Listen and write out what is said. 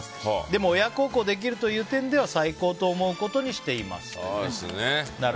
でも親孝行できるという点では最高と思うことにしています。